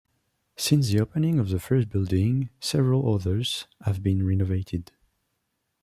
Since the opening of the first building, several others have been renovated.